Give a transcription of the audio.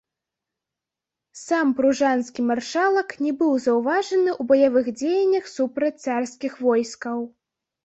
Сам пружанскі маршалак не быў заўважаны ў баявых дзеяннях супраць царскіх войскаў.